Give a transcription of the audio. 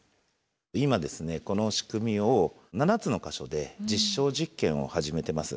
今この仕組みを７つの箇所で実証実験を始めてます。